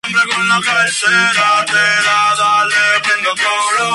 En su programa, busca establecer "la solidaridad y una sociedad libre de violencia".